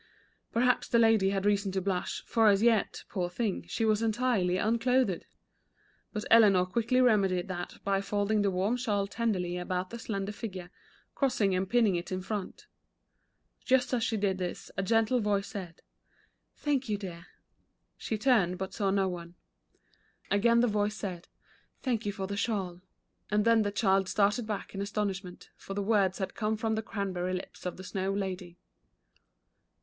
Perhaps the lady had reason to blush, for as yet, poor thing, she was entirely unclothed. But Eleanor quickly remedied that by folding the warm shawl tenderly about the slender figure, crossing and pinning it in front Just as she did this, a gentle voice said : "Thank you, dear." She turned but saw no one. The Lady of Snow. 235 Again the voice said: "Thank you for the shawl," and then the child started back in astonish ment, for the words had come from the cranberry lips of the Snow Lady.